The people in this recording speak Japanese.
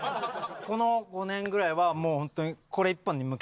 この５年ぐらいはもう本当に。